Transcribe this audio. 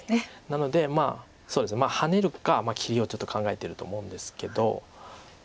なのでハネるか切りをちょっと考えてると思うんですけど。